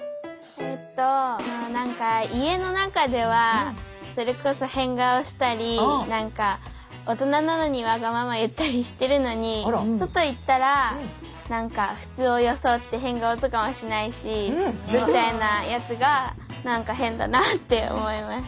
えっとなんか家の中ではそれこそ変顔したり大人なのにわがまま言ったりしてるのに外行ったらなんか普通を装って変顔とかもしないしみたいなやつがなんか変だなって思います。